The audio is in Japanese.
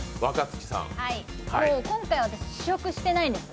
今回は試食してないんです。